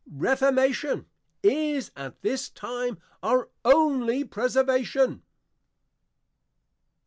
Reformation is at this time our only Preservation.